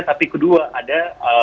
tapi kedua ada